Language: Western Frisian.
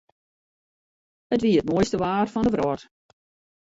It wie it moaiste waar fan de wrâld.